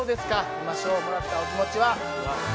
今賞をもらったお気持ちは？